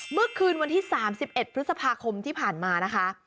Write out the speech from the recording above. เมื่อคืนวันที่๓๑พฤษภาคมที่ผ่านมานะคะ